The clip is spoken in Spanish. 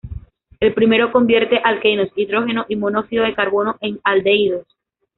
El primero convierte alquenos, hidrógeno y monóxido de carbono en aldehídos.